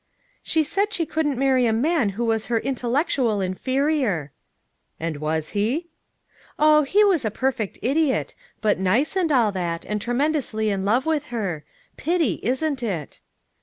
"She said she couldn't marry a man who was her intellectual inferior." "And was he?" "Oh, he was a perfect idiot but nice, and all that, and tremendously in love with her. Pity, wasn't it?"